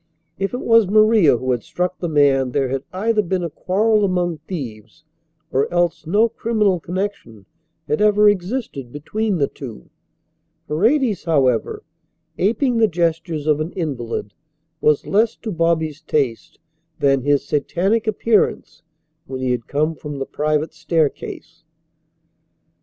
If it was Maria who had struck the man there had either been a quarrel among thieves or else no criminal connection had ever existed between the two. Paredes, however, aping the gestures of an invalid, was less to Bobby's taste than his satanic appearance when he had come from the private staircase.